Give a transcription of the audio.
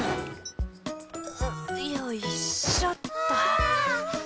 よいしょっと！わ！